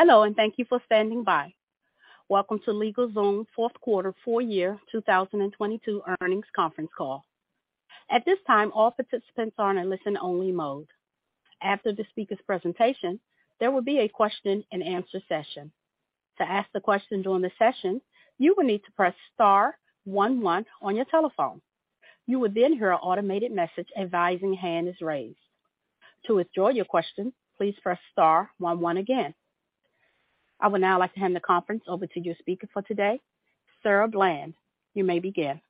Hello, thank you for standing by. Welcome to LegalZoom fourth quarter, full year 2022 earnings conference call. At this time, all participants are in listen only mode. After the speaker's presentation, there will be a question and answer session. To ask the question during the session, you will need to press star one one on your telephone. You will hear an automated message advising hand is raised. To withdraw your question, please press star one one again. I would now like to hand the conference over to your speaker for today, Sarah Bland. You may begin.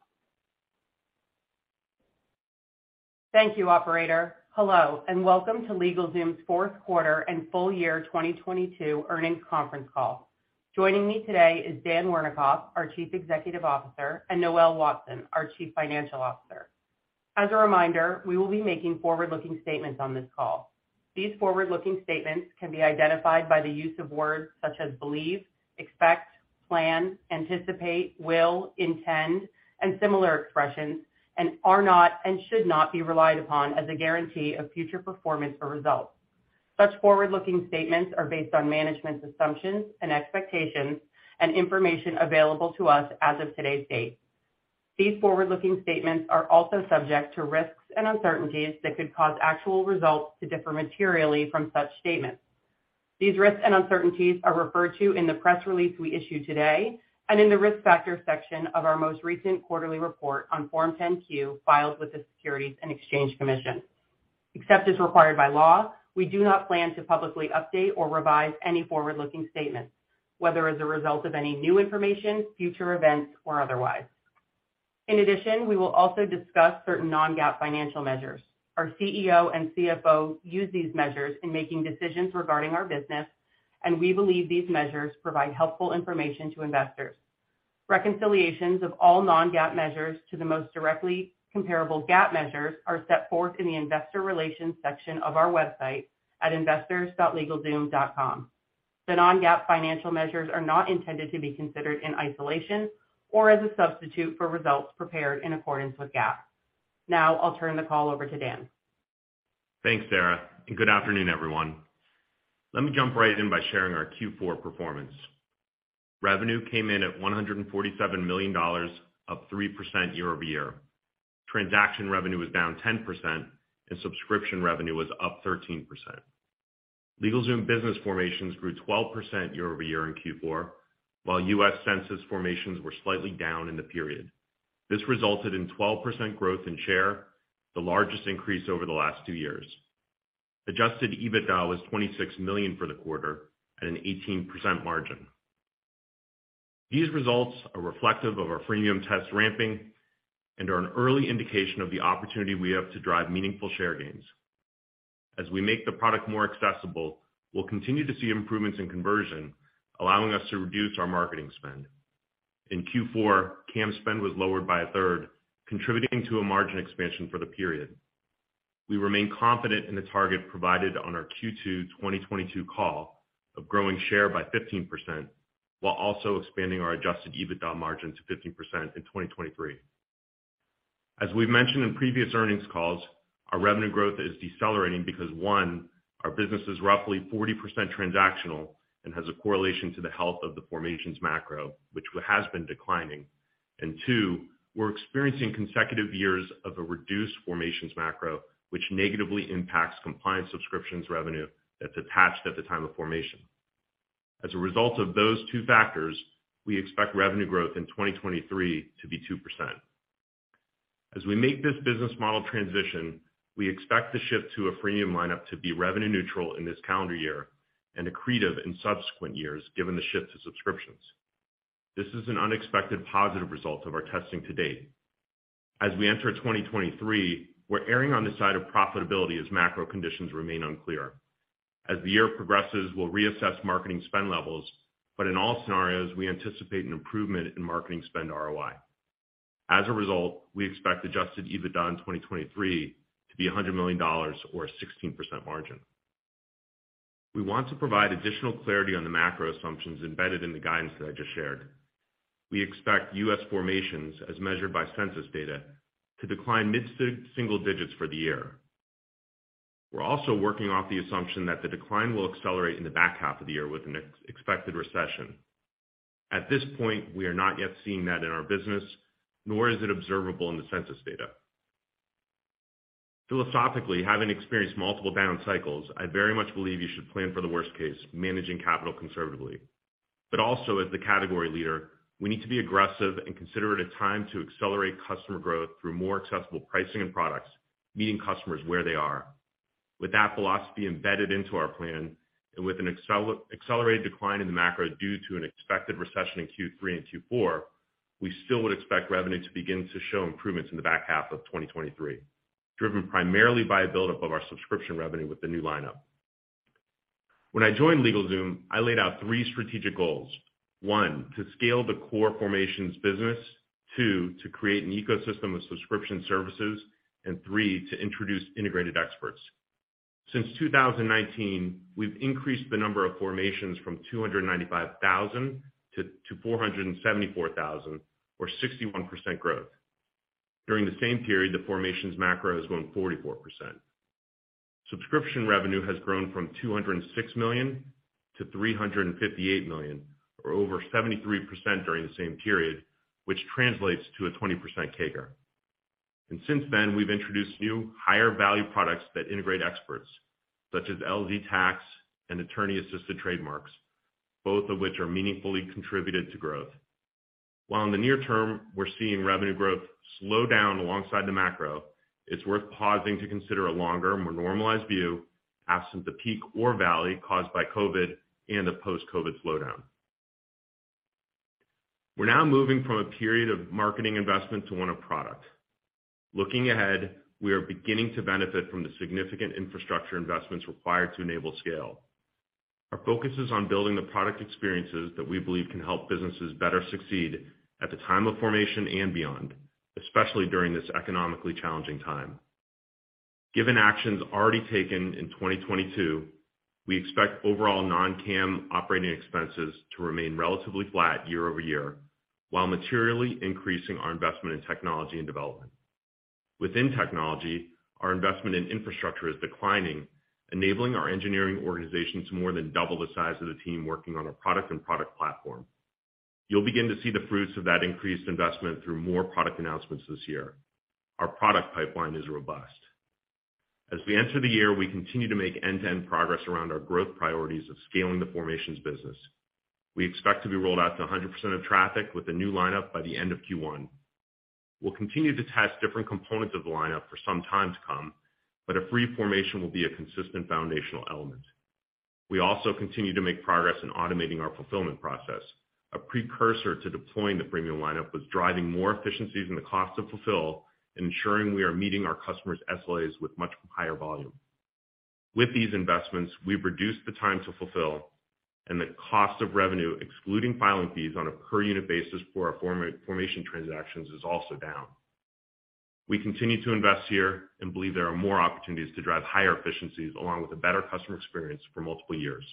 Thank you, operator. Hello, and welcome to LegalZoom's fourth quarter and full year 2022 earnings conference call. Joining me today is Dan Wernikoff, our Chief Executive Officer, and Noel Watson, our Chief Financial Officer. As a reminder, we will be making forward-looking statements on this call. These forward-looking statements can be identified by the use of words such as believe, expect, plan, anticipate, will, intend, and similar expressions, and are not and should not be relied upon as a guarantee of future performance or results. Such forward-looking statements are based on management's assumptions and expectations and information available to us as of today's date. These forward-looking statements are also subject to risks and uncertainties that could cause actual results to differ materially from such statements. These risks and uncertainties are referred to in the press release we issued today and in the Risk Factors section of our most recent quarterly report on Form 10-Q filed with the Securities and Exchange Commission. Except as required by law, we do not plan to publicly update or revise any forward-looking statements, whether as a result of any new information, future events, or otherwise. We will also discuss certain non-GAAP financial measures. Our CEO and CFO use these measures in making decisions regarding our business. We believe these measures provide helpful information to investors. Reconciliations of all non-GAAP measures to the most directly comparable GAAP measures are set forth in the Investor Relations section of our website at investors.LegalZoom.com. The non-GAAP financial measures are not intended to be considered in isolation or as a substitute for results prepared in accordance with GAAP. Now, I'll turn the call over to Dan. Thanks, Sarah. Good afternoon, everyone. Let me jump right in by sharing our Q4 performance. Revenue came in at $147 million, up 3% year-over-year. Transaction revenue was down 10% and subscription revenue was up 13%. LegalZoom business formations grew 12% year-over-year in Q4, while U.S. Census formations were slightly down in the period. This resulted in 12% growth in share, the largest increase over the last two years. Adjusted EBITDA was $26 million for the quarter at an 18% margin. These results are reflective of our freemium test ramping and are an early indication of the opportunity we have to drive meaningful share gains. As we make the product more accessible, we'll continue to see improvements in conversion, allowing us to reduce our marketing spend. In Q4, CAM spend was lowered by a third, contributing to a margin expansion for the period. We remain confident in the target provided on our Q2 2022 call of growing share by 15% while also expanding our adjusted EBITDA margin to 15% in 2023. As we've mentioned in previous earnings calls, our revenue growth is decelerating because, one, our business is roughly 40% transactional and has a correlation to the health of the formations macro, which has been declining. Two, we're experiencing consecutive years of a reduced formations macro, which negatively impacts compliance subscriptions revenue that's attached at the time of formation. As a result of those two factors, we expect revenue growth in 2023 to be 2%. As we make this business model transition, we expect the shift to a freemium lineup to be revenue neutral in this calendar year and accretive in subsequent years, given the shift to subscriptions. This is an unexpected positive result of our testing to date. As we enter 2023, we're erring on the side of profitability as macro conditions remain unclear. As the year progresses, we'll reassess marketing spend levels, but in all scenarios, we anticipate an improvement in marketing spend ROI. As a result, we expect adjusted EBITDA in 2023 to be $100 million or a 16% margin. We want to provide additional clarity on the macro assumptions embedded in the guidance that I just shared. We expect U.S. formations as measured by census data to decline mid-single digits for the year. We're also working off the assumption that the decline will accelerate in the back half of the year with an expected recession. At this point, we are not yet seeing that in our business, nor is it observable in the Census data. Philosophically, having experienced multiple down cycles, I very much believe you should plan for the worst case, managing capital conservatively. Also as the category leader, we need to be aggressive and consider it a time to accelerate customer growth through more accessible pricing and products, meeting customers where they are. With that philosophy embedded into our plan and with an accelerated decline in the macro due to an expected recession in Q3 and Q4, we still would expect revenue to begin to show improvements in the back half of 2023, driven primarily by a buildup of our subscription revenue with the new lineup. When I joined LegalZoom, I laid out three strategic goals. One, to scale the core formations business. Two, to create an ecosystem of subscription services. Three, to introduce integrated experts. Since 2019, we've increased the number of formations from 295,000 to 474,000 or 61% growth. During the same period, the formations macro has grown 44%. Subscription revenue has grown from $206 million- $358 million, or over 73% during the same period, which translates to a 20% CAGR. Since then, we've introduced new higher value products that integrate experts such as LZ Tax and attorney-assisted trademarks, both of which are meaningfully contributed to growth. In the near term, we're seeing revenue growth slow down alongside the macro, it's worth pausing to consider a longer, more normalized view absent the peak or valley caused by COVID and the post-COVID slowdown. We're now moving from a period of marketing investment to one of product. Looking ahead, we are beginning to benefit from the significant infrastructure investments required to enable scale. Our focus is on building the product experiences that we believe can help businesses better succeed at the time of formation and beyond, especially during this economically challenging time. Given actions already taken in 2022, we expect overall non-cam operating expenses to remain relatively flat year-over-year, while materially increasing our investment in technology and development. Within technology, our investment in infrastructure is declining, enabling our engineering organization to more than double the size of the team working on our product and product platform. You'll begin to see the fruits of that increased investment through more product announcements this year. Our product pipeline is robust. As we enter the year, we continue to make end-to-end progress around our growth priorities of scaling the formations business. We expect to be rolled out to 100% of traffic with the new lineup by the end of Q1. We'll continue to test different components of the lineup for some time to come, but a free formation will be a consistent foundational element. We also continue to make progress in automating our fulfillment process, a precursor to deploying the premium lineup was driving more efficiencies in the cost to fulfill and ensuring we are meeting our customers' SLAs with much higher volume. With these investments, we've reduced the time to fulfill and the cost of revenue, excluding filing fees on a per unit basis for our formation transactions is also down. We continue to invest here and believe there are more opportunities to drive higher efficiencies along with a better customer experience for multiple years.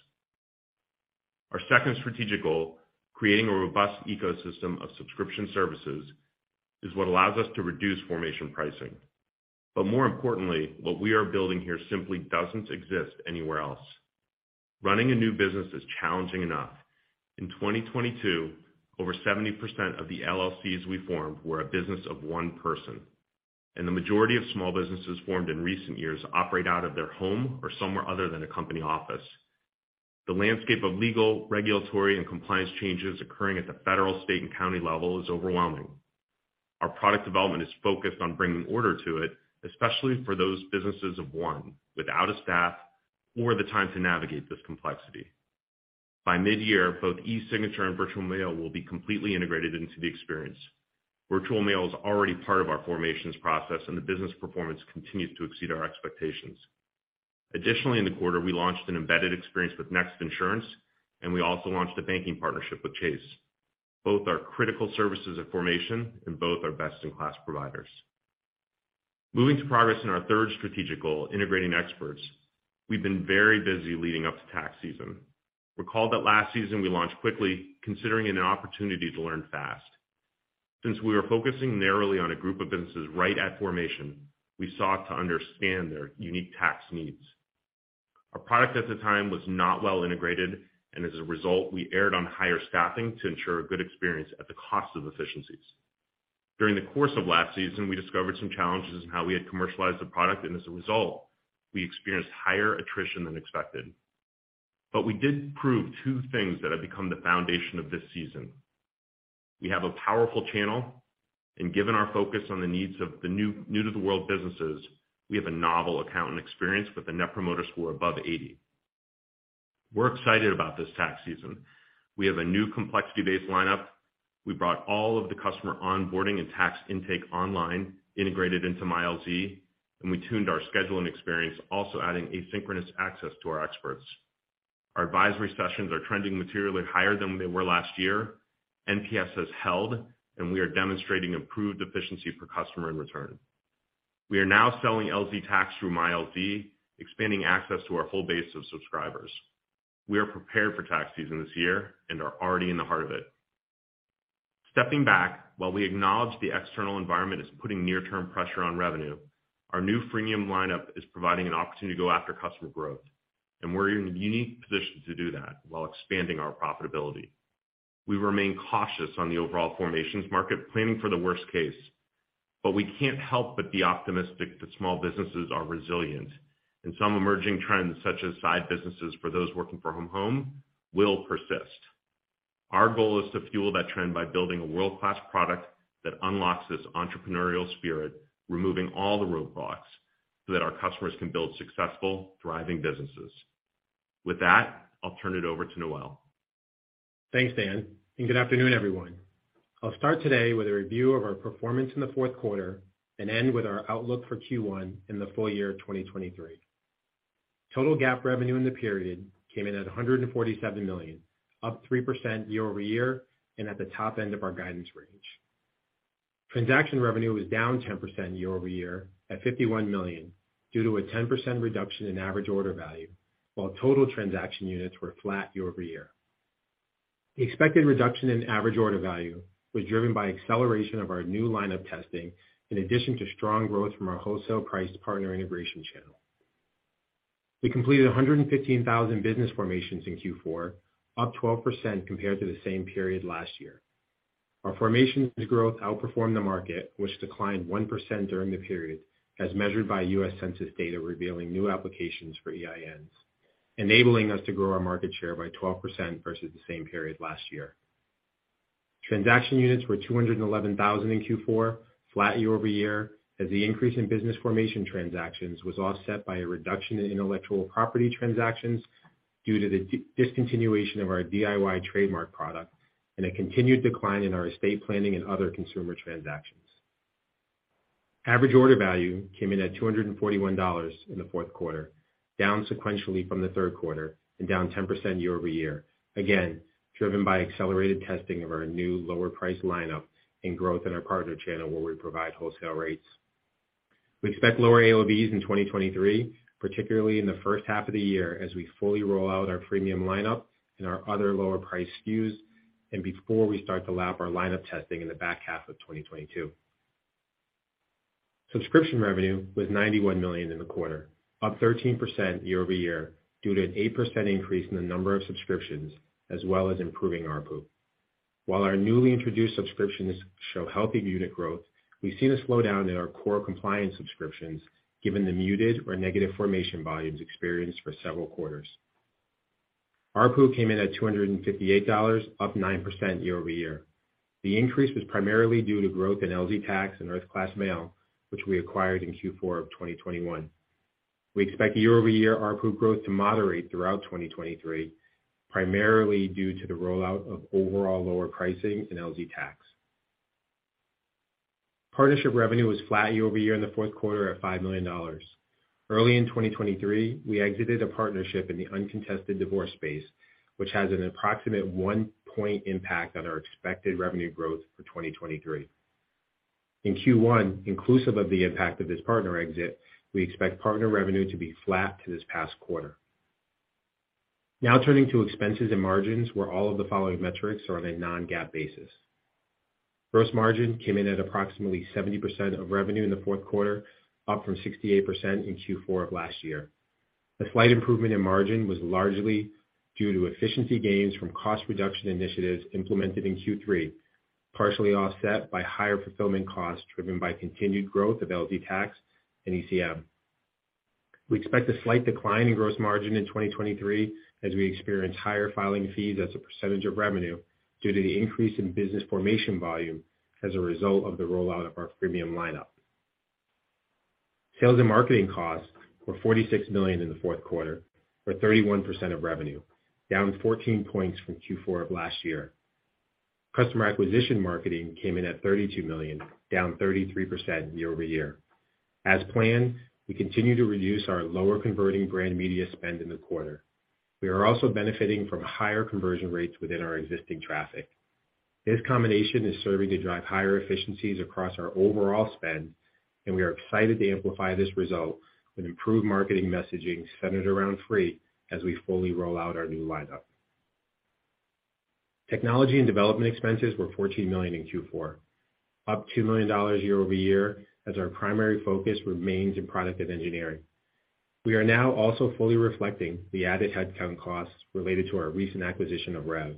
Our second strategic goal, creating a robust ecosystem of subscription services, is what allows us to reduce formation pricing. More importantly, what we are building here simply doesn't exist anywhere else. Running a new business is challenging enough. In 2022, over 70% of the LLCs we formed were a business of one person, and the majority of small businesses formed in recent years operate out of their home or somewhere other than a company office. The landscape of legal, regulatory, and compliance changes occurring at the federal, state, and county level is overwhelming. Our product development is focused on bringing order to it, especially for those businesses of one without a staff or the time to navigate this complexity. By mid-year, both e-signature and virtual mail will be completely integrated into the experience. Virtual mail is already part of our formations process, and the business performance continues to exceed our expectations. In the quarter, we launched an embedded experience with Next Insurance, and we also launched a banking partnership with Chase. Both are critical services of formation, and both are best-in-class providers. Moving to progress in our third strategic goal, integrating experts, we've been very busy leading up to tax season. Recall that last season we launched quickly considering an opportunity to learn fast. Since we were focusing narrowly on a group of businesses right at formation, we sought to understand their unique tax needs. Our product at the time was not well integrated, and as a result, we erred on higher staffing to ensure a good experience at the cost of efficiencies. During the course of last season, we discovered some challenges in how we had commercialized the product, and as a result, we experienced higher attrition than expected. We did prove two things that have become the foundation of this season. We have a powerful channel, given our focus on the needs of the new to the world businesses, we have a novel accountant experience with a net promoter score above 80. We're excited about this tax season. We have a new complexity-based lineup. We brought all of the customer onboarding and tax intake online integrated into MyLZ. We tuned our scheduling experience, also adding asynchronous access to our experts. Our advisory sessions are trending materially higher than they were last year. NPS has held. We are demonstrating improved efficiency per customer in return. We are now selling LZ Tax through MyLZ, expanding access to our whole base of subscribers. We are prepared for tax season this year and are already in the heart of it. Stepping back, while we acknowledge the external environment is putting near-term pressure on revenue, our new freemium lineup is providing an opportunity to go after customer growth, and we're in a unique position to do that while expanding our profitability. We remain cautious on the overall formations market planning for the worst case, but we can't help but be optimistic that small businesses are resilient and some emerging trends, such as side businesses for those working from home will persist. Our goal is to fuel that trend by building a world-class product that unlocks this entrepreneurial spirit, removing all the roadblocks so that our customers can build successful, thriving businesses. With that, I'll turn it over to Noel. Thanks, Dan. Good afternoon, everyone. I'll start today with a review of our performance in the fourth quarter and end with our outlook for Q1 in the full year of 2023. Total GAAP revenue in the period came in at $147 million, up 3% year-over-year and at the top end of our guidance range. Transaction revenue was down 10% year-over-year at $51 million due to a 10% reduction in average order value, while total transaction units were flat year-over-year. The expected reduction in average order value was driven by acceleration of our new line of testing in addition to strong growth from our wholesale priced partner integration channel. We completed 115,000 business formations in Q4, up 12% compared to the same period last year. Our formations growth outperformed the market, which declined 1% during the period, as measured by US Census data revealing new applications for EINs, enabling us to grow our market share by 12% versus the same period last year. Transaction units were 211,000 in Q4, flat year-over-year, as the increase in business formation transactions was offset by a reduction in intellectual property transactions due to the discontinuation of our DIY trademark product and a continued decline in our estate planning and other consumer transactions. Average order value came in at $241 in the fourth quarter, down sequentially from the third quarter and down 10% year-over-year, again, driven by accelerated testing of our new lower price lineup and growth in our partner channel where we provide wholesale rates. We expect lower AOV in 2023, particularly in the first half of the year, as we fully roll out our premium lineup and our other lower price SKUs and before we start to lap our lineup testing in the back half of 2022. Subscription revenue was $91 million in the quarter, up 13% year-over-year due to an 8% increase in the number of subscriptions as well as improving ARPU. While our newly introduced subscriptions show healthy unit growth, we've seen a slowdown in our core compliance subscriptions given the muted or negative formation volumes experienced for several quarters. ARPU came in at $258, up 9% year-over-year. The increase was primarily due to growth in LZ Tax and Earth Class Mail, which we acquired in Q4 of 2021. We expect year-over-year ARPU growth to moderate throughout 2023, primarily due to the rollout of overall lower pricing in LZ Tax. Partnership revenue was flat year-over-year in the fourth quarter at $5 million. Early in 2023, we exited a partnership in the uncontested divorce space, which has an approximate one point impact on our expected revenue growth for 2023. In Q1, inclusive of the impact of this partner exit, we expect partner revenue to be flat to this past quarter. Turning to expenses and margins, where all of the following metrics are on a non-GAAP basis. Gross margin came in at approximately 70% of revenue in the fourth quarter, up from 68% in Q4 of last year. The slight improvement in margin was largely due to efficiency gains from cost reduction initiatives implemented in Q3, partially offset by higher fulfillment costs driven by continued growth of LZ Tax and ECM. We expect a slight decline in gross margin in 2023 as we experience higher filing fees as a percentage of revenue due to the increase in business formation volume as a result of the rollout of our premium lineup. Sales and marketing costs were $46 million in the fourth quarter, or 31% of revenue, down 14 points from Q4 of last year. Customer acquisition marketing came in at $32 million, down 33% year-over-year. As planned, we continue to reduce our lower converting brand media spend in the quarter. We are also benefiting from higher conversion rates within our existing traffic. This combination is serving to drive higher efficiencies across our overall spend, and we are excited to amplify this result with improved marketing messaging centered around free as we fully roll out our new lineup. Technology and development expenses were $14 million in Q4, up $2 million year-over-year as our primary focus remains in product and engineering. We are now also fully reflecting the added headcount costs related to our recent acquisition of Revv.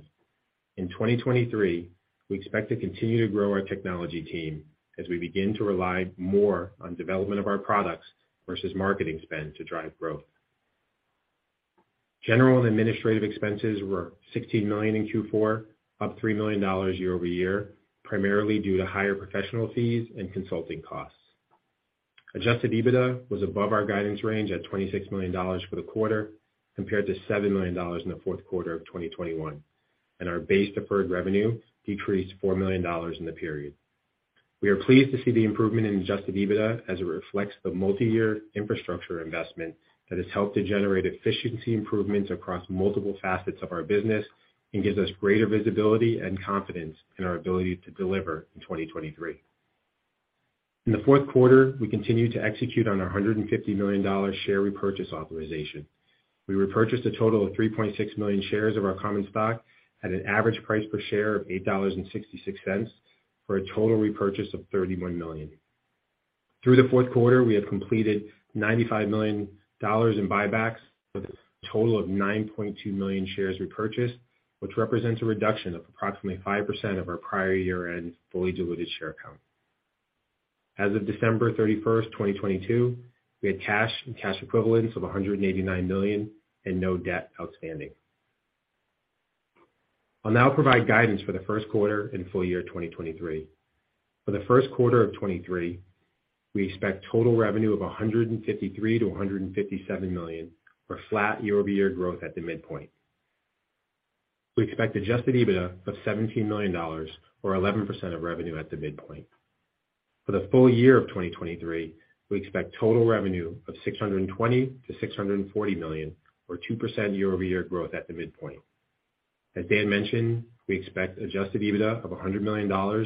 In 2023, we expect to continue to grow our technology team as we begin to rely more on development of our products versus marketing spend to drive growth. General and administrative expenses were $16 million in Q4, up $3 million year-over-year, primarily due to higher professional fees and consulting costs. Adjusted EBITDA was above our guidance range at $26 million for the quarter, compared to $7 million in the fourth quarter of 2021. Our base deferred revenue decreased $4 million in the period. We are pleased to see the improvement in adjusted EBITDA as it reflects the multi-year infrastructure investment that has helped to generate efficiency improvements across multiple facets of our business and gives us greater visibility and confidence in our ability to deliver in 2023. In the fourth quarter, we continued to execute on our $150 million share repurchase authorization. We repurchased a total of 3.6 million shares of our common stock at an average price per share of $8.66 for a total repurchase of $31 million. Through the fourth quarter, we have completed $95 million in buybacks with a total of 9.2 million shares repurchased, which represents a reduction of approximately 5% of our prior year-end fully diluted share count. As of December 31, 2022, we had cash and cash equivalents of $189 million and no debt outstanding. I'll now provide guidance for the first quarter and full year 2023. For the first quarter of 2023, we expect total revenue of $153 million-$157 million, or flat year-over-year growth at the midpoint. We expect adjusted EBITDA of $17 million or 11% of revenue at the midpoint. For the full year of 2023, we expect total revenue of $620 million-$640 million or 2% year-over-year growth at the midpoint. As Dan mentioned, we expect adjusted EBITDA of $100 million or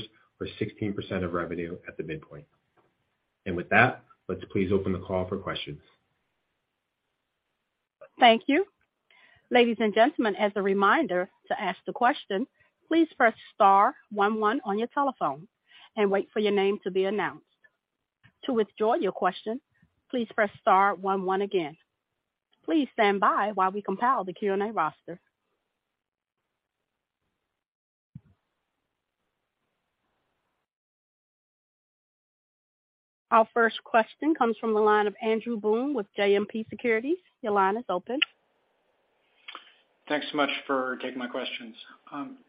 16% of revenue at the midpoint. With that, let's please open the call for questions. Thank you. Ladies and gentlemen, as a reminder, to ask the question, please press star one one on your telephone and wait for your name to be announced. To withdraw your question, please press star one one again. Please stand by while we compile the Q&A roster. Our first question comes from the line of Andrew Boone with JMP Securities. Your line is open. Thanks so much for taking my questions.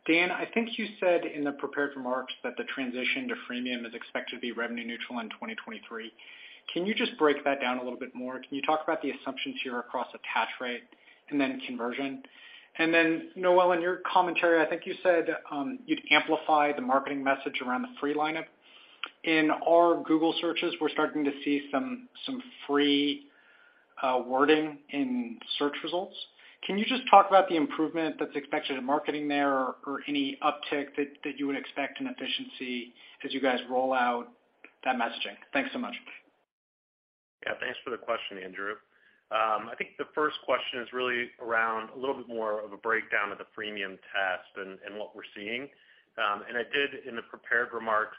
Dan, I think you said in the prepared remarks that the transition to freemium is expected to be revenue neutral in 2023. Can you just break that down a little bit more? Can you talk about the assumptions here across attach rate and then conversion? Noel, in your commentary, I think you said you'd amplify the marketing message around the free lineup. In our Google searches, we're starting to see some free wording in search results. Can you just talk about the improvement that's expected in marketing there or any uptick that you would expect in efficiency as you guys roll out that messaging? Thanks so much. Yeah. Thanks for the question, Andrew Boone. I think the first question is really around a little bit more of a breakdown of the premium test and what we're seeing. And I did in the prepared remarks,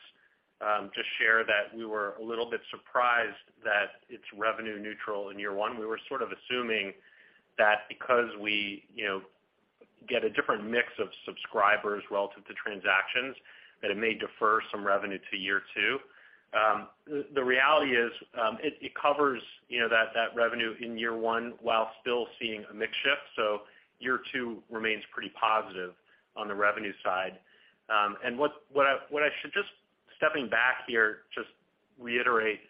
just share that we were a little bit surprised that it's revenue neutral in year one. We were sort of assuming that because we, you know, get a different mix of subscribers relative to transactions, that it may defer some revenue to year two. The reality is, it covers, you know, that revenue in year one while still seeing a mix shift. Year two remains pretty positive on the revenue side. And what I, what I should just stepping back here, just reiterate,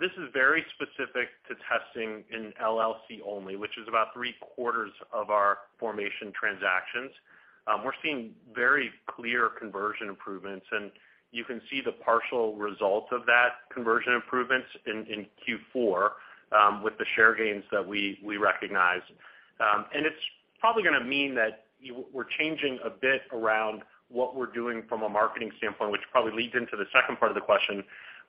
this is very specific to testing in LLC only, which is about 3/4 of our formation transactions. We're seeing very clear conversion improvements, and you can see the partial results of that conversion improvements in Q4 with the share gains that we recognize. It's probably gonna mean that we're changing a bit around what we're doing from a marketing standpoint, which probably leads into the second part of the question.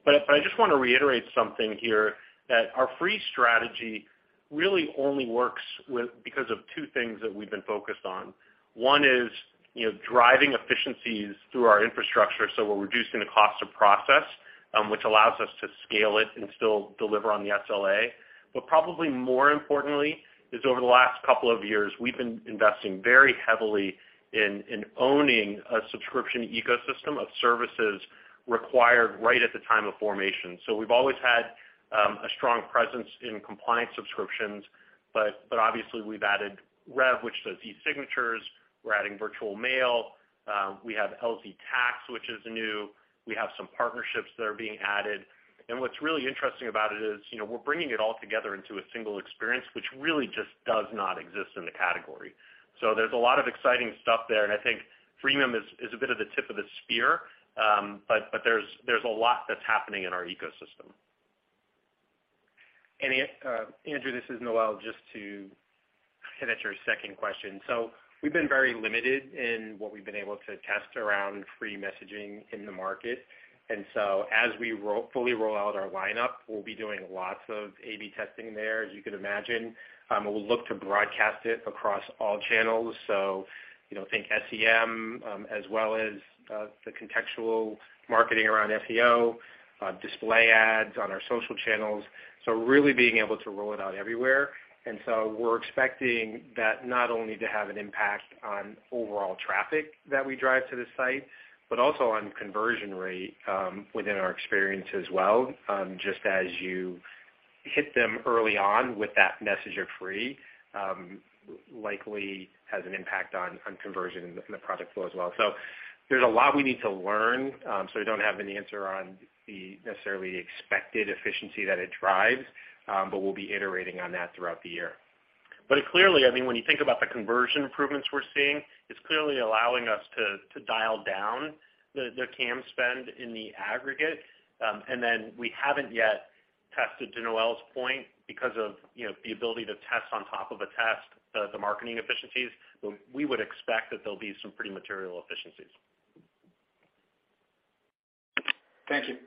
I just wanna reiterate something here that our free strategy really only works with because of two things that we've been focused on. One is, you know, driving efficiencies through our infrastructure, so we're reducing the cost of process, which allows us to scale it and still deliver on the SLA. Probably more importantly is over the last couple of years, we've been investing very heavily in owning a subscription ecosystem of services required right at the time of formation. We've always had a strong presence in compliance subscriptions, but obviously we've added Revv, which does e-signatures. We're adding virtual mail. We have LZ Tax, which is new. We have some partnerships that are being added. What's really interesting about it is, you know, we're bringing it all together into a single experience, which really just does not exist in the category. There's a lot of exciting stuff there, and I think freemium is a bit of the tip of the spear. But there's a lot that's happening in our ecosystem. Andrew, this is Noel, just to hit at your second question. We've been very limited in what we've been able to test around free messaging in the market. As we fully roll out our lineup, we'll be doing lots of A/B testing there, as you can imagine. We'll look to broadcast it across all channels. You know, think SEM, as well as the contextual marketing around SEO, display ads on our social channels. Really being able to roll it out everywhere. We're expecting that not only to have an impact on overall traffic that we drive to the site, but also on conversion rate within our experience as well. Just as you hit them early on with that message of free, likely has an impact on conversion in the, in the product flow as well. There's a lot we need to learn, so we don't have an answer on the necessarily expected efficiency that it drives, but we'll be iterating on that throughout the year. Clearly, I mean, when you think about the conversion improvements we're seeing, it's clearly allowing us to dial down the cam spend in the aggregate. Then we haven't yet tested to Noel's point because of, you know, the ability to test on top of a test, the marketing efficiencies. We would expect that there'll be some pretty material efficiencies. Thank you.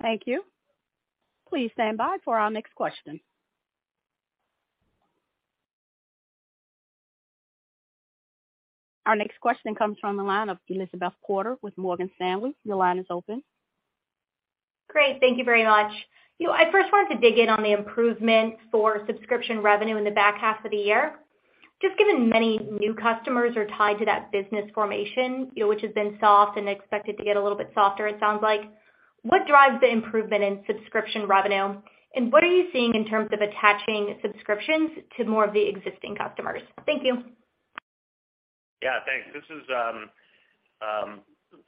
Thank you. Please stand by for our next question. Our next question comes from the line of Elizabeth Porter with Morgan Stanley. Your line is open. Great. Thank you very much. You know, I first wanted to dig in on the improvement for subscription revenue in the back half of the year. Just given many new customers are tied to that business formation, you know, which has been soft and expected to get a little bit softer, it sounds like, what drives the improvement in subscription revenue? What are you seeing in terms of attaching subscriptions to more of the existing customers? Thank you. Yeah, thanks. This is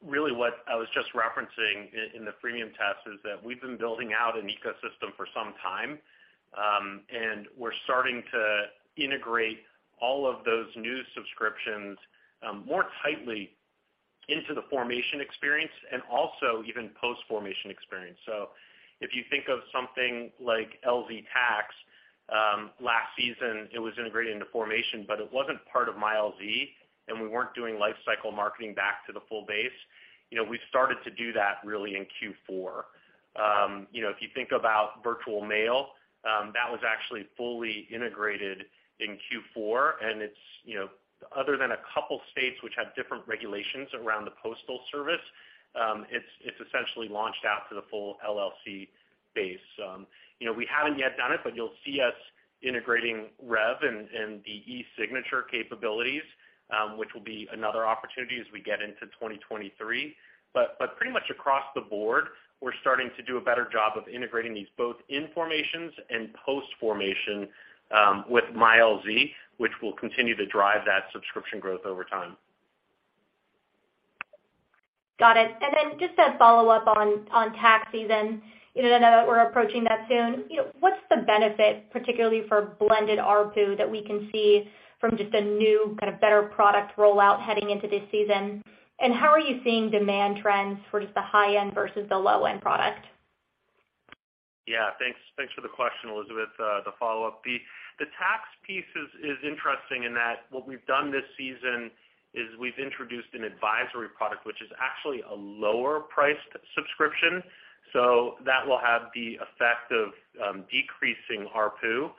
really what I was just referencing in the freemium test is that we've been building out an ecosystem for some time, and we're starting to integrate all of those new subscriptions more tightly into the formation experience and also even post-formation experience. If you think of something like LZ Tax, last season, it was integrated into formation, but it wasn't part of MyLZ, and we weren't doing life cycle marketing back to the full base. You know, we started to do that really in Q4. You know, if you think about virtual mail, that was actually fully integrated in Q4, and it's, you know, other than a couple states which have different regulations around the postal service, it's essentially launched out to the full LLC base. You know, we haven't yet done it, but you'll see us integrating Revv and the eSignature capabilities, which will be another opportunity as we get into 2023. Pretty much across the board, we're starting to do a better job of integrating these both in formations and post formation, with MyLZ, which will continue to drive that subscription growth over time. Got it. Just a follow-up on tax season. You know, I know we're approaching that soon. You know, what's the benefit, particularly for blended ARPU, that we can see from just a new kind of better product rollout heading into this season? How are you seeing demand trends for just the high end versus the low end product? Yeah, thanks. Thanks for the question, Elizabeth. The follow-up, the tax piece is interesting in that what we've done this season is we've introduced an advisory product, which is actually a lower priced subscription. That will have the effect of decreasing ARPU.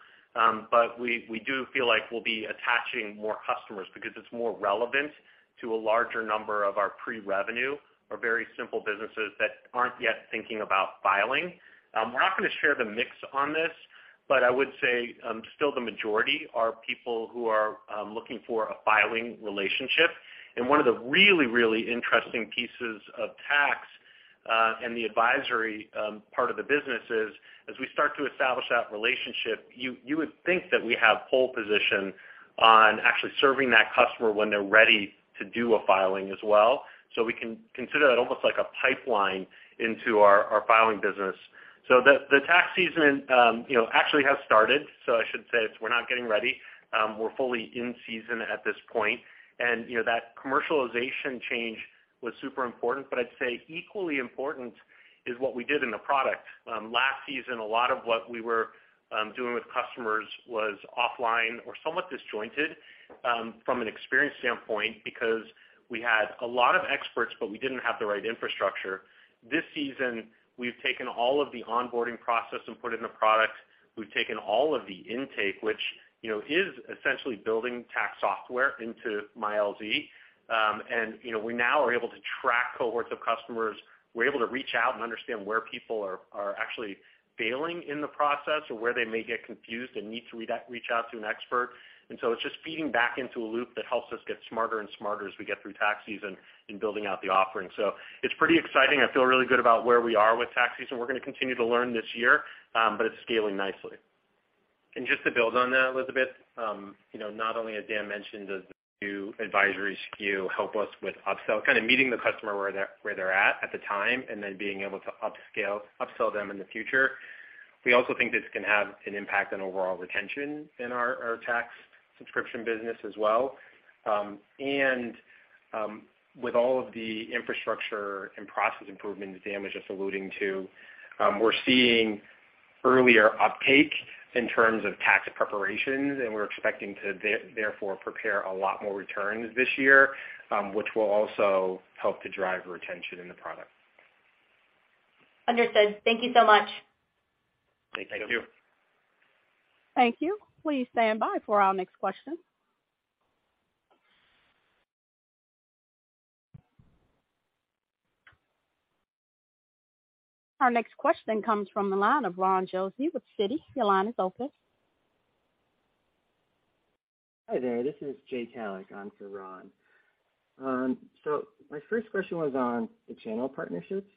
We do feel like we'll be attaching more customers because it's more relevant to a larger number of our pre-revenue or very simple businesses that aren't yet thinking about filing. We're not gonna share the mix on this, but I would say still the majority are people who are looking for a filing relationship. One of the really, really interesting pieces of tax and the advisory part of the business is, as we start to establish that relationship, you would think that we have pole position on actually serving that customer when they're ready to do a filing as well. We can consider that almost like a pipeline into our filing business. The tax season, you know, actually has started. I should say we're not getting ready. We're fully in season at this point. You know, that commercialization change was super important, but I'd say equally important is what we did in the product. Last season, a lot of what we were doing with customers was offline or somewhat disjointed from an experience standpoint because we had a lot of experts, but we didn't have the right infrastructure. This season, we've taken all of the onboarding process and put it in a product. We've taken all of the intake, which, you know, is essentially building tax software into MyLZ. And, you know, we now are able to track cohorts of customers. We're able to reach out and understand where people are actually failing in the process or where they may get confused and need to reach out to an expert. It's just feeding back into a loop that helps us get smarter and smarter as we get through tax season in building out the offering. It's pretty exciting. I feel really good about where we are with tax season. We're gonna continue to learn this year, but it's scaling nicely. Just to build on that, Elizabeth, you know, not only, as Dan mentioned, does the new advisory SKU help us with upsell, kind of meeting the customer where they're at at the time, and then being able to upsell them in the future. We also think this can have an impact on overall retention in our tax subscription business as well. With all of the infrastructure and process improvements that Dan was just alluding to, we're seeing earlier uptake in terms of tax preparations, and we're expecting therefore prepare a lot more returns this year, which will also help to drive retention in the product. Understood. Thank you so much. Thank you. Thank you. Thank you. Please stand by for our next question. Our next question comes from the line of Ron Josey with Citi. Your line is open. Hi there. This is Jay Collins on for Ron. My first question was on the channel partnerships.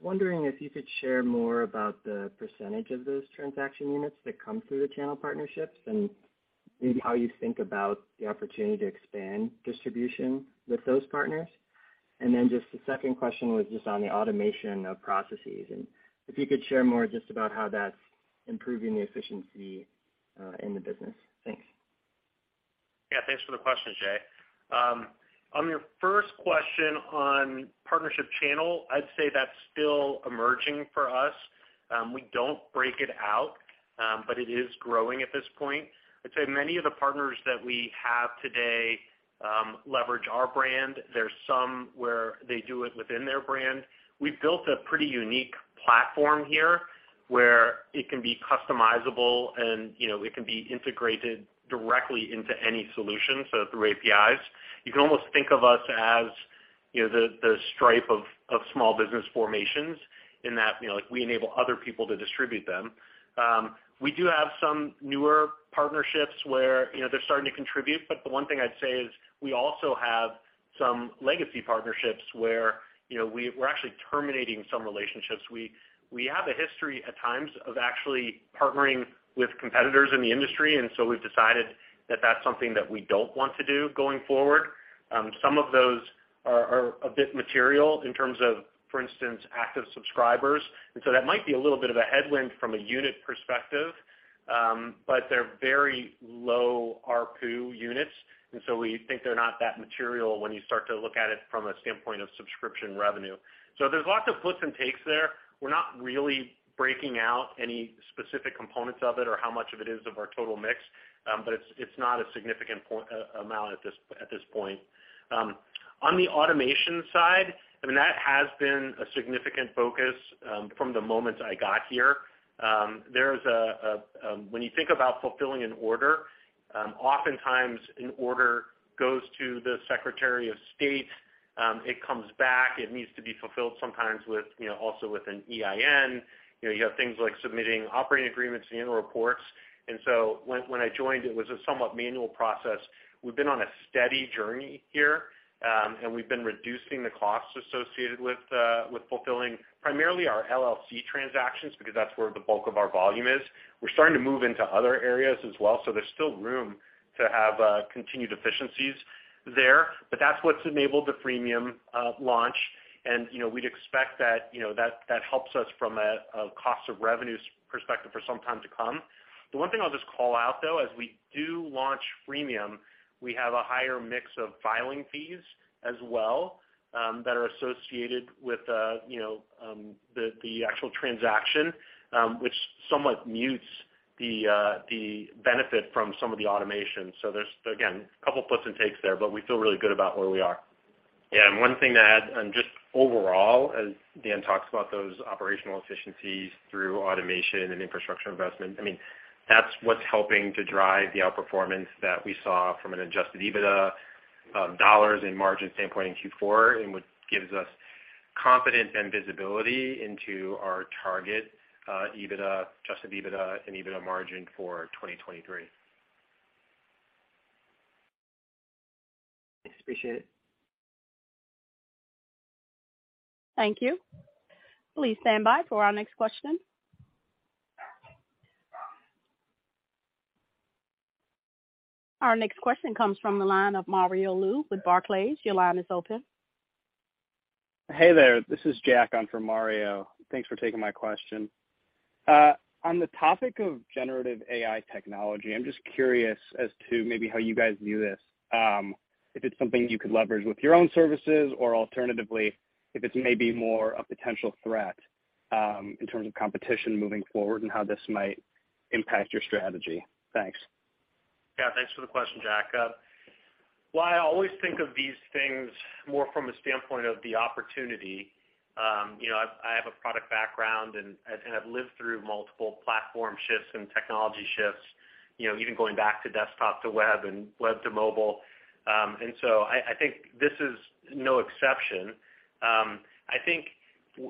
Wondering if you could share more about the percentage of those transaction units that come through the channel partnerships and maybe how you think about the opportunity to expand distribution with those partners? Just the second question was just on the automation of processes, and if you could share more just about how that's improving the efficiency in the business? Thanks. Thanks for the question, Jay. On your first question on partnership channel, I'd say that's still emerging for us. We don't break it out, but it is growing at this point. I'd say many of the partners that we have today, leverage our brand. There's some where they do it within their brand. We've built a pretty unique platform here, where it can be customizable and, you know, it can be integrated directly into any solution, so through APIs. You can almost think of us as, you know, the Stripe of small business formations in that, you know, like we enable other people to distribute them. We do have some newer partnerships where, you know, they're starting to contribute, but the one thing I'd say is we also have some legacy partnerships where, you know, we're actually terminating some relationships. We have a history at times of actually partnering with competitors in the industry. We've decided that that's something that we don't want to do going forward. Some of those are a bit material in terms of, for instance, active subscribers. That might be a little bit of a headwind from a unit perspective, but they're very low ARPU units. We think they're not that material when you start to look at it from a standpoint of subscription revenue. There's lots of puts and takes there. We're not really breaking out any specific components of it or how much of it is of our total mix, but it's not a significant amount at this point. On the automation side, I mean, that has been a significant focus from the moment I got here. There's a... When you think about fulfilling an order, oftentimes an order goes to the Secretary of State, it comes back, it needs to be fulfilled sometimes with, you know, also with an EIN. You know, you have things like submitting operating agreements and annual reports. When I joined, it was a somewhat manual process. We've been on a steady journey here, and we've been reducing the costs associated with fulfilling primarily our LLC transactions because that's where the bulk of our volume is. We're starting to move into other areas as well, so there's still room to have continued efficiencies there. That's what's enabled the freemium launch. You know, we'd expect that, you know, that helps us from a cost of revenue perspective for some time to come. The one thing I'll just call out though, as we do launch freemium, we have a higher mix of filing fees as well, that are associated with, you know, the actual transaction, which somewhat mutes the benefit from some of the automation. There's, again, a couple puts and takes there, but we feel really good about where we are. One thing to add, just overall, as Dan talks about those operational efficiencies through automation and infrastructure investment, I mean, that's what's helping to drive the outperformance that we saw from an adjusted EBITDA, dollars and margin standpoint in Q4, and which gives us confidence and visibility into our target EBITDA, adjusted EBITDA and EBITDA margin for 2023. Yes, appreciate it. Thank you. Please stand by for our next question. Our next question comes from the line of Mario Lu with Barclays. Your line is open. Hey there. This is Jack on for Mario. Thanks for taking my question. On the topic of generative AI technology, I'm just curious as to maybe how you guys view this, if it's something you could leverage with your own services, or alternatively, if it's maybe more a potential threat, in terms of competition moving forward and how this might impact your strategy. Thanks. Thanks for the question, Jack. Well, I always think of these things more from a standpoint of the opportunity. You know, I have a product background and have lived through multiple platform shifts and technology shifts, you know, even going back to desktop to web and web to mobile. I think this is no exception. I think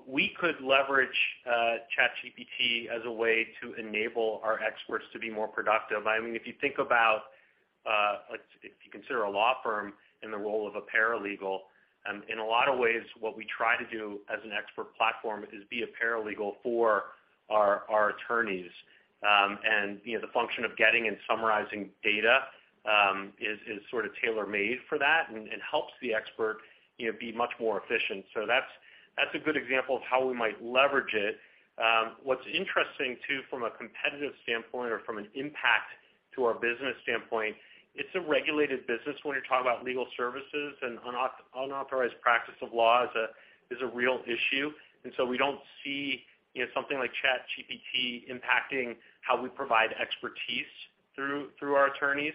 we could leverage ChatGPT as a way to enable our experts to be more productive. I mean, if you think about, like if you consider a law firm in the role of a paralegal, in a lot of ways, what we try to do as an expert platform is be a paralegal for our attorneys. You know, the function of getting and summarizing data is sort of tailor-made for that and helps the expert, you know, be much more efficient. That's a good example of how we might leverage it. What's interesting too, from a competitive standpoint or from an impact to our business standpoint, it's a regulated business when you're talking about legal services, and unauthorized practice of law is a real issue. We don't see, you know, something like ChatGPT impacting how we provide expertise through our attorneys.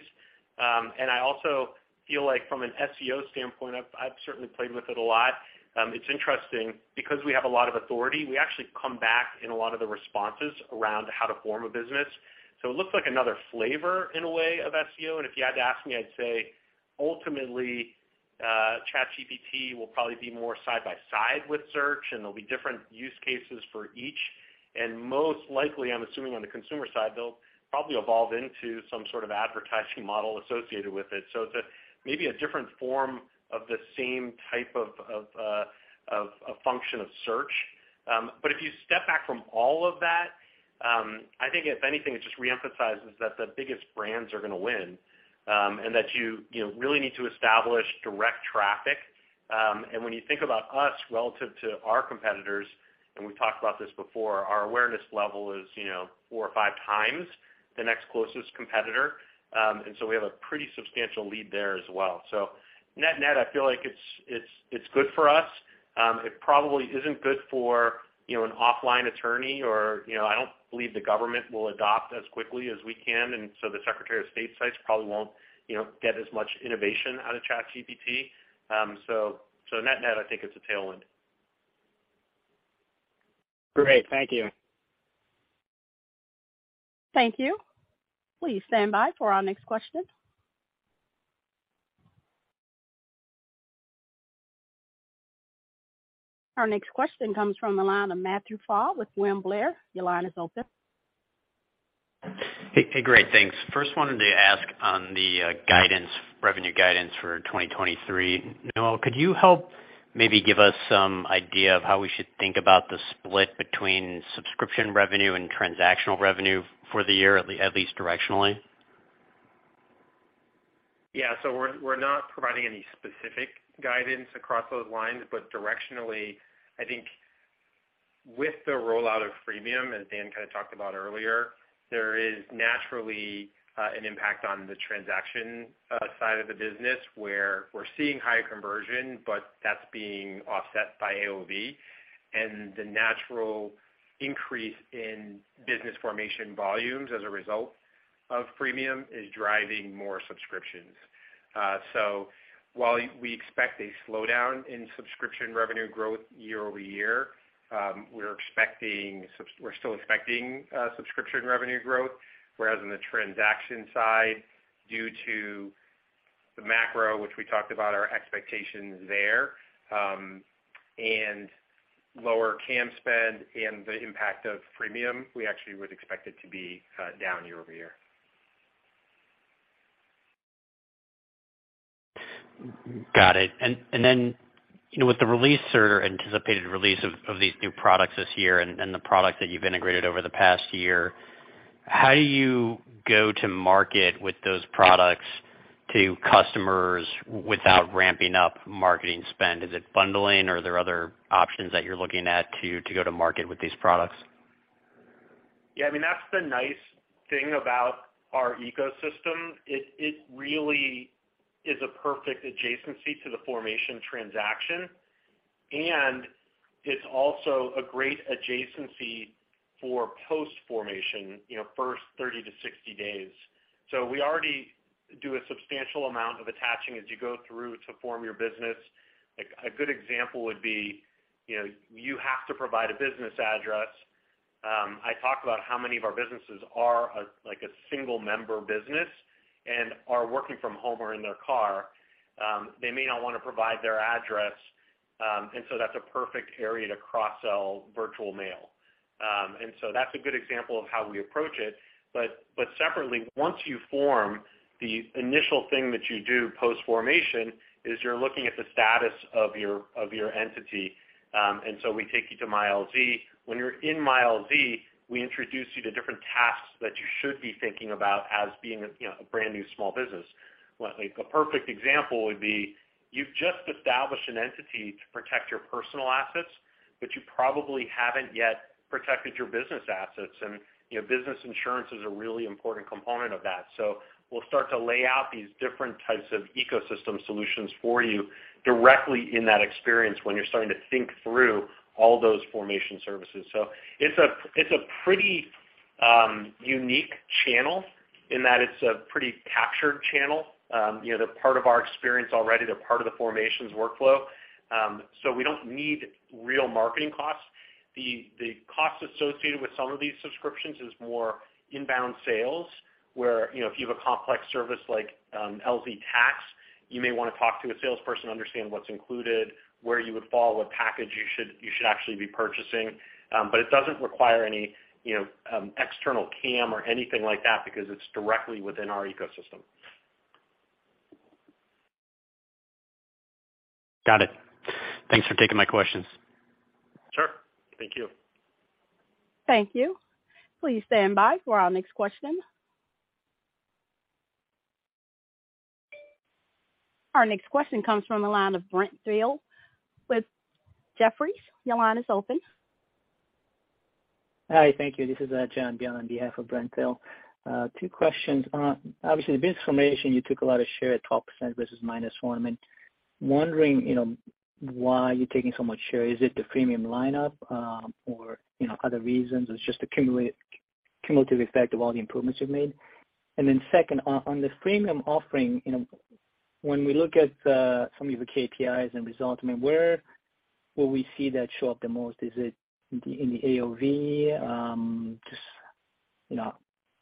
I also feel like from an SEO standpoint, I've certainly played with it a lot. It's interesting because we have a lot of authority, we actually come back in a lot of the responses around how to form a business. It looks like another flavor in a way of SEO. If you had to ask me, I'd say ultimately, ChatGPT will probably be more side by side with search, and there'll be different use cases for each. Most likely, I'm assuming on the consumer side, they'll probably evolve into some sort of advertising model associated with it. It's a maybe a different form of the same type of a function of search. If you step back from all of that, I think if anything, it just reemphasizes that the biggest brands are gonna win, and that you know, really need to establish direct traffic. When you think about us relative to our competitors, and we've talked about this before, our awareness level is, you know, 4x or 5x the next closest competitor. We have a pretty substantial lead there as well. Net-net, I feel like it's good for us. It probably isn't good for, you know, an offline attorney or, you know, I don't believe the government will adopt as quickly as we can, and so the Secretary of State sites probably won't, you know, get as much innovation out of ChatGPT. Net-net, I think it's a tailwind. Great. Thank you. Thank you. Please stand by for our next question. Our next question comes from the line of Matthew Pfau with William Blair. Your line is open. Hey, great, thanks. First wanted to ask on the guidance, revenue guidance for 2023. Noel, could you help maybe give us some idea of how we should think about the split between subscription revenue and transactional revenue for the year, at least directionally? Yeah. We're not providing any specific guidance across those lines. Directionally, I think with the rollout of freemium, as Dan kind of talked about earlier, there is naturally an impact on the transaction side of the business where we're seeing higher conversion, but that's being offset by AOV and the natural increase in business formation volumes as a result of freemium is driving more subscriptions. While we expect a slowdown in subscription revenue growth year-over-year, we're still expecting subscription revenue growth, whereas on the transaction side, due to the macro, which we talked about our expectations there, and lower ECM spend and the impact of freemium, we actually would expect it to be down year-over-year. Got it. You know, with the release or anticipated release of these new products this year and the product that you've integrated over the past year, how do you go to market with those products to customers without ramping up marketing spend? Is it bundling or are there other options that you're looking at to go to market with these products? Yeah. I mean, that's the nice thing about our ecosystem. It really is a perfect adjacency to the formation transaction, and it's also a great adjacency for post-formation, you know, first 30 to 60 days. We already do a substantial amount of attaching as you go through to form your business. A good example would be, you know, you have to provide a business address. I talked about how many of our businesses are a like a single member business and are working from home or in their car. They may not wanna provide their address, that's a perfect area to cross-sell virtual mail. That's a good example of how we approach it. Separately, once you form the initial thing that you do post-formation is you're looking at the status of your entity. We take you to MyLZ. When you're in MyLZ, we introduce you to different tasks that you should be thinking about as being, you know, a brand new small business. Like, a perfect example would be you've just established an entity to protect your personal assets, but you probably haven't yet protected your business assets. You know, business insurance is a really important component of that. We'll start to lay out these different types of ecosystem solutions for you directly in that experience when you're starting to think through all those formation services. It's a, it's a pretty unique channel in that it's a pretty captured channel. You know, they're part of our experience already. They're part of the formations workflow. We don't need real marketing costs. The cost associated with some of these subscriptions is more inbound sales, where, you know, if you have a complex service like LZ Tax, you may wanna talk to a salesperson to understand what's included, where you would fall, what package you should actually be purchasing. It doesn't require any, you know, external cam or anything like that because it's directly within our ecosystem. Got it. Thanks for taking my questions. Sure. Thank you. Thank you. Please stand by for our next question. Our next question comes from the line of Brent Thill with Jefferies. Your line is open. Hi. Thank you. This is John Byun on behalf of Brent Thill. Two questions. Obviously, the business formation, you took a lot of share at 12% versus -1%. I'm wondering, you know, why you're taking so much share. Is it the freemium lineup, or, you know, other reasons? It's just cumulative effect of all the improvements you've made. Second, on the freemium offering, you know, when we look at some of the KPIs and results, I mean, where will we see that show up the most? Is it in the AOV? Just, you know,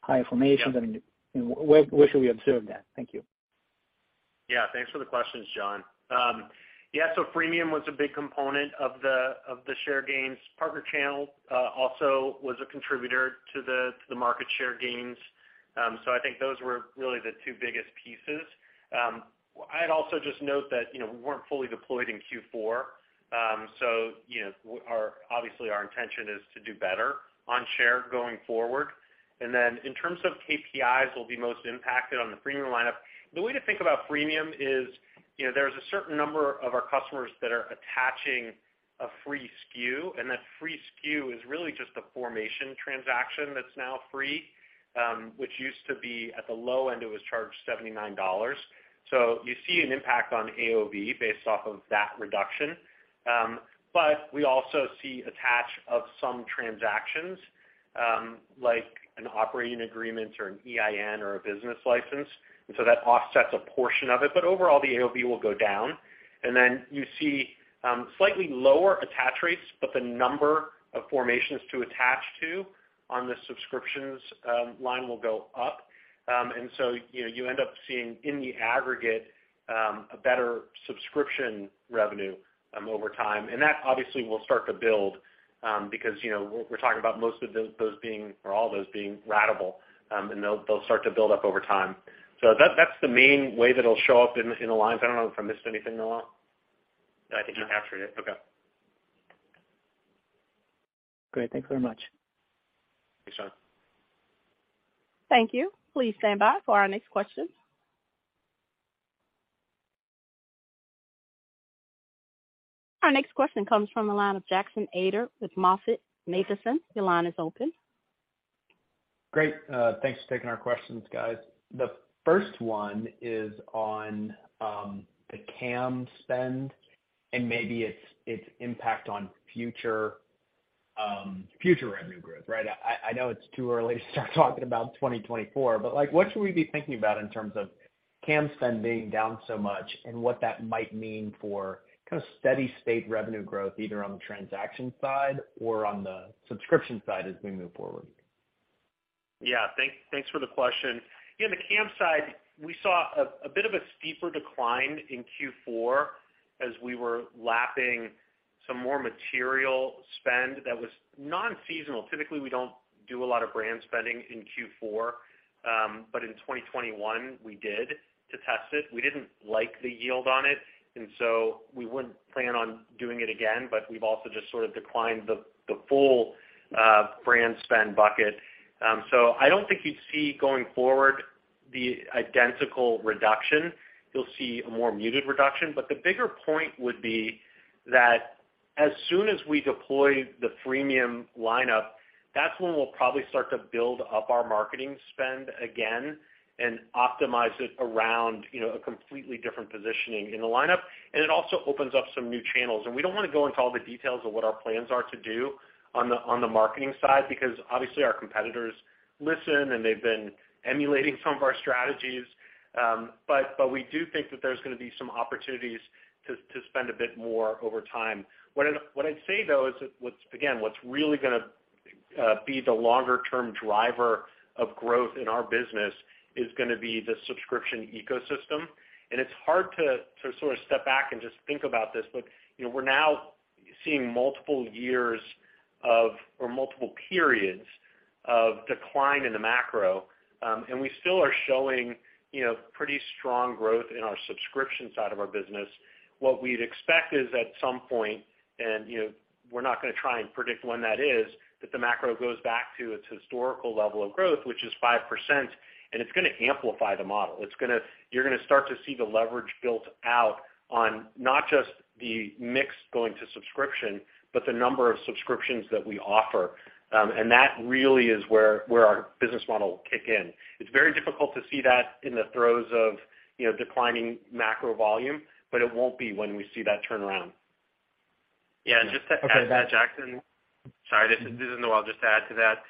high information. I mean, where should we observe that? Thank you. Thanks for the questions, John. Freemium was a big component of the share gains. Partner channel also was a contributor to the market share gains. I think those were really the two biggest pieces. I'd also just note that, you know, we weren't fully deployed in Q4. You know, obviously, our intention is to do better on share going forward. In terms of KPIs will be most impacted on the freemium lineup. The way to think about freemium is, you know, there's a certain number of our customers that are attaching a free SKU, and that free SKU is really just a formation transaction that's now free, which used to be at the low end, it was charged $79. You see an impact on AOV based off of that reduction. We also see attach of some transactions, like an operating agreement or an EIN or a business license. That offsets a portion of it. Overall, the AOV will go down. You see, slightly lower attach rates, but the number of formations to attach to on the subscriptions line will go up. You know, you end up seeing in the aggregate, a better subscription revenue over time. That obviously will start to build, because, you know, we're talking about most of all those being ratable, and they'll start to build up over time. That's the main way that it'll show up in the lines. I don't know if I missed anything, Noel. I think you captured it. Okay. Great. Thanks very much. Thanks, John. Thank you. Please stand by for our next question. Our next question comes from the line of Jackson Ader with MoffettNathanson. Your line is open. Great. Thanks for taking our questions, guys. The first one is on, the cam spend and maybe its impact on future revenue growth, right? I know it's too early to start talking about 2024, but, like, what should we be thinking about in terms of cam spend being down so much and what that might mean for kinda steady state revenue growth, either on the transaction side or on the subscription side as we move forward? Thanks for the question. On the ECM side, we saw a bit of a steeper decline in Q4 as we were lapping some more material spend that was non-seasonal. Typically, we don't do a lot of brand spending in Q4. In 2021, we did to test it. We didn't like the yield on it, and so we wouldn't plan on doing it again. We've also just sort of declined the full brand spend bucket. I don't think you'd see going forward the identical reduction. You'll see a more muted reduction. The bigger point would be that as soon as we deploy the freemium lineup, that's when we'll probably start to build up our marketing spend again and optimize it around, you know, a completely different positioning in the lineup. It also opens up some new channels. We don't wanna go into all the details of what our plans are to do on the marketing side, because obviously our competitors listen, and they've been emulating some of our strategies. We do think that there's gonna be some opportunities to spend a bit more over time. What I'd say though is that what's really gonna be the longer term driver of growth in our business is gonna be the subscription ecosystem. It's hard to sort of step back and just think about this, but, you know, we're now seeing multiple years of, or multiple periods of decline in the macro. We still are showing, you know, pretty strong growth in our subscription side of our business. What we'd expect is at some point, and, you know, we're not gonna try and predict when that is, that the macro goes back to its historical level of growth, which is 5%, and it's gonna amplify the model. You're gonna start to see the leverage built out on not just the mix going to subscription, but the number of subscriptions that we offer. That really is where our business model will kick in. It's very difficult to see that in the throes of, you know, declining macro volume. It won't be when we see that turnaround. Yeah. Just to add to that, Jackson. Sorry, this is Noel. Just to add to that.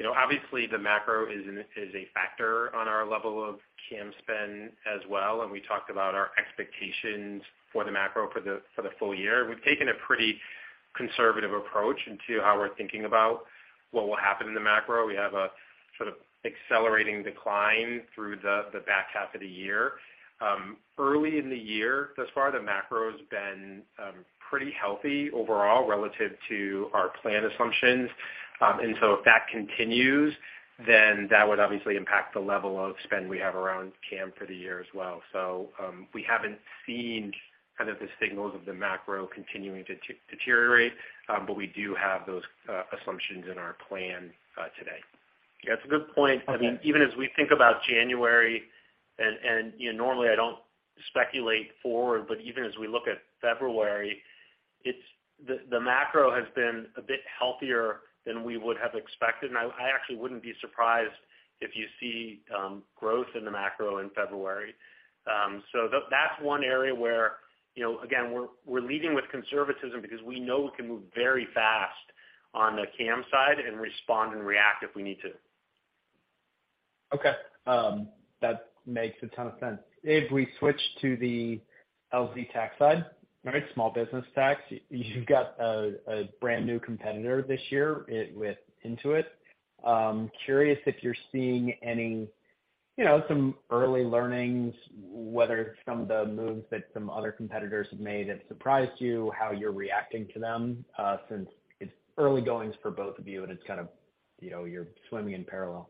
You know, obviously the macro is a factor on our level of cam spend as well, and we talked about our expectations for the macro for the full year. We've taken a pretty conservative approach into how we're thinking about what will happen in the macro. We have a sort of accelerating decline through the back half of the year. Early in the year, thus far, the macro's been pretty healthy overall relative to our plan assumptions. If that continues, then that would obviously impact the level of spend we have around cam for the year as well. We haven't seen kind of the signals of the macro continuing to deteriorate, but we do have those assumptions in our plan today. Yeah, it's a good point. Okay. I mean, even as we think about January and, you know, normally I don't speculate forward, but even as we look at February, the macro has been a bit healthier than we would have expected. I actually wouldn't be surprised if you see growth in the macro in February. That's one area where, you know, again, we're leading with conservatism because we know we can move very fast on the cam side and respond and react if we need to. Okay. That makes a ton of sense. If we switch to the LZ Tax side, right, small business tax. You've got a brand new competitor this year with Intuit. Curious if you're seeing any, you know, some early learnings, whether it's from the moves that some other competitors have made that surprised you, how you're reacting to them, since it's early goings for both of you and it's kind of, you know, you're swimming in parallel.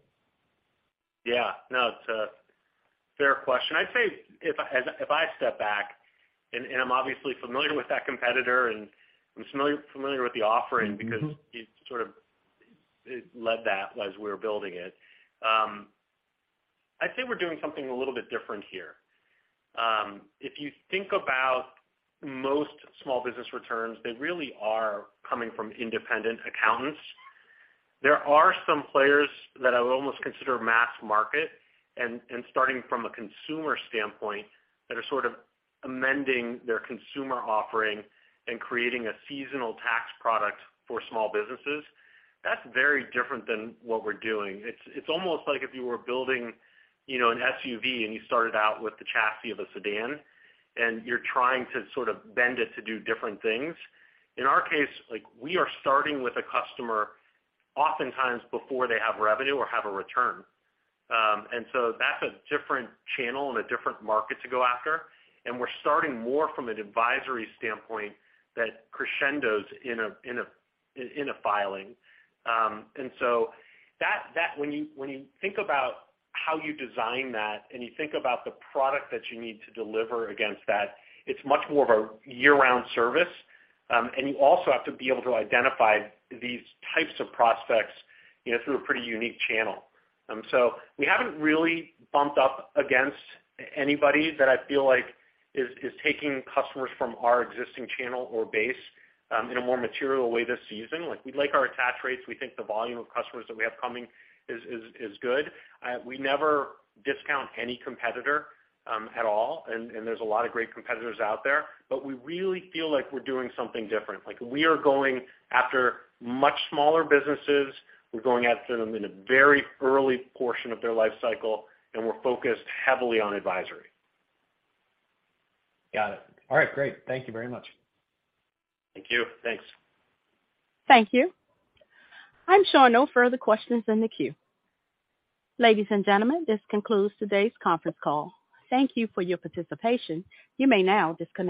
Yeah. No, it's a fair question. I'd say if I step back and I'm obviously familiar with that competitor and I'm familiar with the offering because you sort of led that as we were building it. I'd say we're doing something a little bit different here. If you think about most small business returns, they really are coming from independent accountants. There are some players that I would almost consider mass market and starting from a consumer standpoint that are sort of amending their consumer offering and creating a seasonal tax product for small businesses. That's very different than what we're doing. It's almost like if you were building, you know, an SUV and you started out with the chassis of a sedan, and you're trying to sort of bend it to do different things. In our case, like we are starting with a customer oftentimes before they have revenue or have a return. So that's a different channel and a different market to go after. We're starting more from an advisory standpoint that crescendos in a filing. So when you think about how you design that and you think about the product that you need to deliver against that, it's much more of a year-round service. You also have to be able to identify these types of prospects, you know, through a pretty unique channel. So we haven't really bumped up against anybody that I feel like is taking customers from our existing channel or base, in a more material way this season. Like, we like our attach rates. We think the volume of customers that we have coming is good. We never discount any competitor at all, and there's a lot of great competitors out there. We really feel like we're doing something different. Like, we are going after much smaller businesses. We're going after them in a very early portion of their life cycle, and we're focused heavily on advisory. Got it. All right. Great. Thank you very much. Thank you. Thanks. Thank you. I'm showing no further questions in the queue. Ladies and gentlemen, this concludes today's conference call. Thank you for your participation. You may now disconnect.